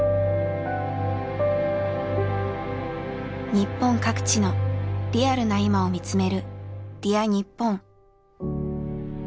日本各地のリアルな今を見つめる「Ｄｅａｒにっぽん」。